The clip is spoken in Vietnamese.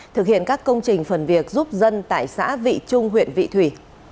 thực hiện các công trình phần việc giúp dân tại xã vị trung huyện vị thủy